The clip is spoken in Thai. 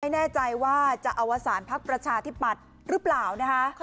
ไม่แน่ใจว่าจะอาวาสารภักดิ์ประชาที่ปัดหรือเปล่านะคะ